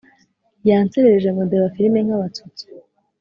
Yanserereje ngo ndeba firime nkabatsutsu